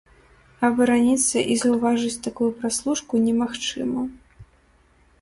Абараніцца і заўважыць такую праслушку немагчыма.